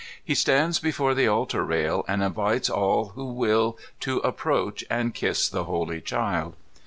He stands before the altar rail, and invites all who will to approach and kiss the Holy Child.